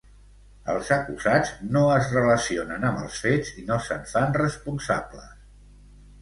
Els acusats no es relacionen amb els fets i no se'n fan responsables.